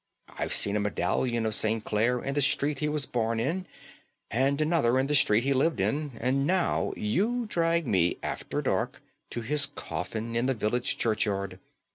I've seen a medallion of St. Clare in the street he was born in, and another in the street he lived in; and now you drag me after dark to his coffin in the village churchyard.